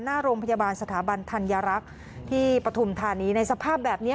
หน้าโรงพยาบาลสถาบันธัญรักษ์ที่ปฐุมธานีในสภาพแบบนี้